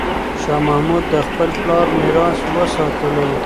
شاه محمود د خپل پلار میراث وساتلو.